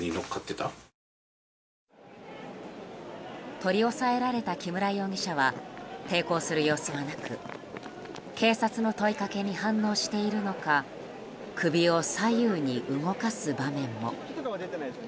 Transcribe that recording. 取り押さえられた木村容疑者は抵抗する様子はなく警察の問いかけに反応しているのか首を左右に動かす場面も。